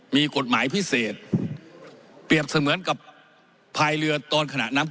มีกฎหมายพิเศษเปรียบเสมือนกับพายเรือตอนขณะน้ำ